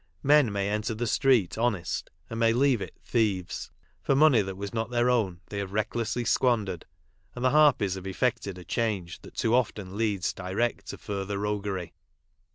Men may enter the street honest and may leave it thieves ; for money that was not their own they have reck lessly squandered, and the harpies have effected a change that too often leads direct to further roguery.